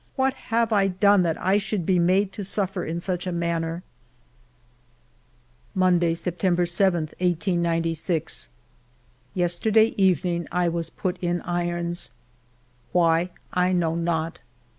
What have I done that I should be made to suffer in such a manner ? Monday, September 'j, 1896. Yesterday evening I was put in irons. Why, I know not.